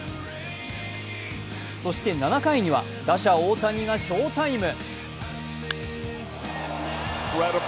そして７回には打者・大谷が翔タイム。